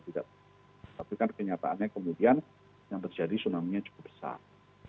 tapi kan kenyataannya kemudian yang terjadi tsunami nya cukup besar